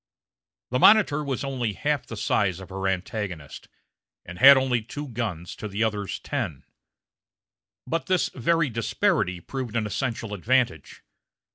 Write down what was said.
The Monitor was only half the size of her antagonist, and had only two guns to the other's ten. But this very disparity proved an essential advantage.